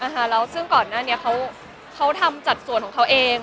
แล้วซึ่งก่อนหน้านี้เขาทำสัดส่วนของเขาเอง